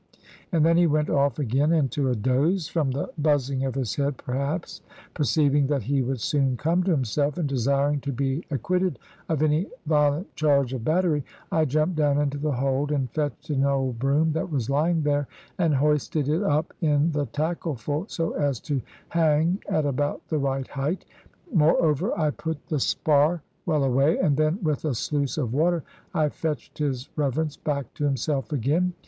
and then he went off again into a doze, from the buzzing of his head perhaps Perceiving that he would soon come to himself, and desiring to be acquitted of any violent charge of battery, I jumped down into the hold and fetched an old boom that was lying there, and hoisted it up in the tackle fall, so as to hang at about the right height. Moreover, I put the spar well away; and then, with a sluice of water, I fetched his Reverence back to himself again.